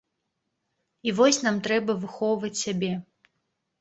І вось нам трэба выхоўваць сябе.